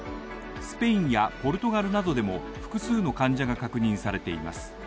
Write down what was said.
スペインやポルトガルなどでも複数の患者が確認されています。